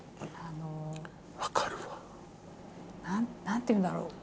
何ていうんだろう？